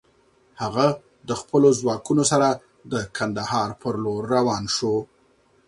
هغه د خپلو ځواکونو سره د کندهار پر لور روان شو.